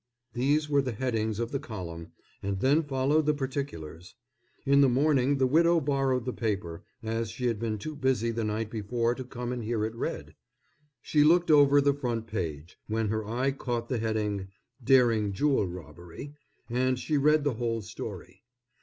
'" These were the headings of the column, and then followed the particulars. In the morning the widow borrowed the paper, as she had been too busy the night before to come and hear it read. She looked over the front page, when her eye caught the heading, "Daring Jewel Robbery," and she read the whole story.